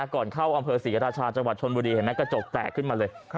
ก่อนเข้าอำเภอศรีราชาจังหวัดชนบุรีเห็นไหมกระจกแตกขึ้นมาเลย